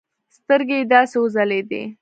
سترگې يې داسې وځلېدې.